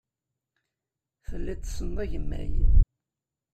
Telliḍ tessneḍ agemmay.